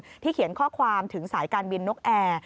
ที่เขียนข้อความถึงสายการบินนกแอร์